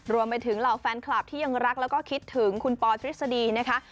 รวมไปถึงเหล่าแฟนคลับที่ยังรักแล้วก็คิดถึงคุณปอทฤษฎีนะคะ